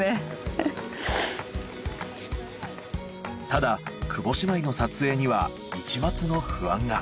ただ久保姉妹の撮影には一抹の不安が。